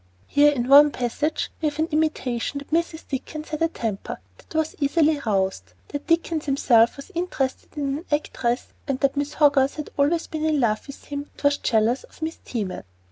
Here in one passage we have an intimation that Mrs. Dickens had a temper that was easily roused, that Dickens himself was interested in an actress, and that Miss Hogarth "had always been in love with him, and was jealous of Miss Teman."